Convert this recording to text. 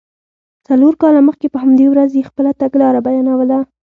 څلور کاله مخکې په همدې ورځ یې خپله تګلاره بیانوله.